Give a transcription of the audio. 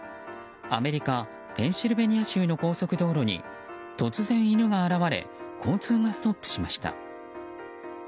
アメリカ・ペンシルベニア州の高速道路に突然、犬が現れ交通がストップしました。